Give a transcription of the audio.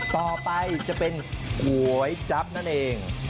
ต่อไปจะเป็นก๋วยจั๊บนั่นเอง